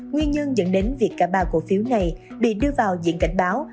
nguyên nhân dẫn đến việc cả ba cổ phiếu này bị đưa vào diện cảnh báo